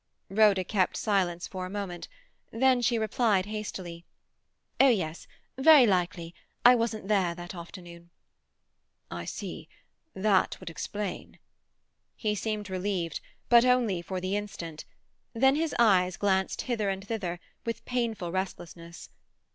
Rhoda kept silence for a moment. Then she replied hastily— "Oh yes—very likely—I wasn't there that afternoon." "I see. That would explain—" He seemed relieved, but only for the instant; then his eyes glanced hither and thither, with painful restlessness.